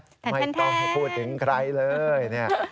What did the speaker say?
แทนไม่ต้องพูดถึงใครเลย